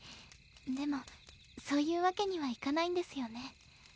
でもそういうわけにはいかないんですよね。